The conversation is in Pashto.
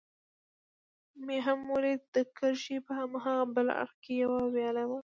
مې هم ولید، د کرښې په هاغه بل اړخ کې یوه ویاله وه.